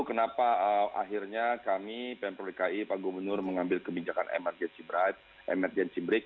kenapa akhirnya kami pemprodiki pak gubernur mengambil kebijakan emergency break